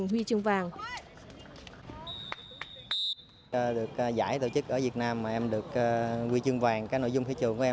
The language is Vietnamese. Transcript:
huy trương vàng